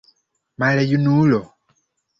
Maljunulo!